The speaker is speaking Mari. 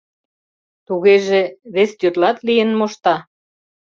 Тугеже, вес тӱрлат лийын мошта?